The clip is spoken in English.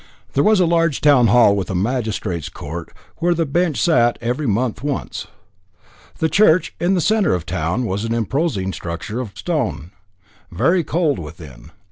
There was a large town hall with a magistrates' court, where the bench sat every month once. The church, in the centre of the town, was an imposing structure of stone, very cold within.